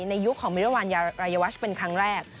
ในยุคของเมียวัลยาวัชเป็นครั้งแรก